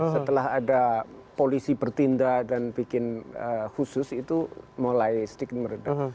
setelah ada polisi bertindak dan bikin khusus itu mulai stigma meredah